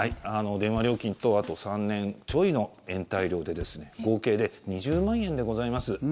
電話料金とそれと３年ちょいの延滞料で合計で２０万円でございます。